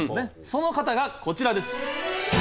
その方がこちらです。